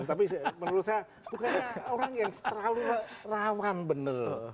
tapi menurut saya bukannya orang yang terlalu rawan benar